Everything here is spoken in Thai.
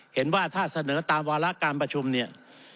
เห็นว่าถ้าเสนอตามวาระการประชุมเนี่ย